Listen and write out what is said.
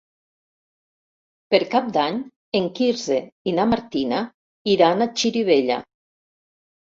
Per Cap d'Any en Quirze i na Martina iran a Xirivella.